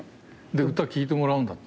歌聴いてもらうんだって。